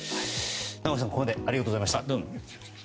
名越さん、ここまでありがとうございました。